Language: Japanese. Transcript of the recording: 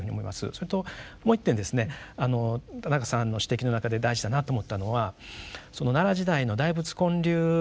それともう一点ですね田中さんの指摘の中で大事だなと思ったのは奈良時代の大仏建立からですね